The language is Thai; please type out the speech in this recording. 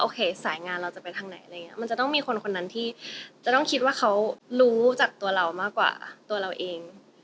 โอเคสายงานเราจะไปทางไหนมันจะต้องมีคนนั้นที่จะต้องคิดว่าเขารู้จากตัวเรามากกว่าตัวเราเอง